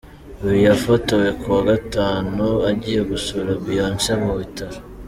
Uyu yafotowe kuwa Gatanu agiye gusura Beyonce mu bitaro.